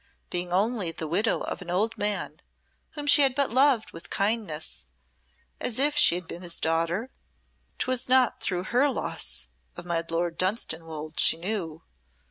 being only the widow of an old man whom she had but loved with kindness, as if she had been his daughter? 'Twas not through her loss of my Lord Dunstanwolde she knew.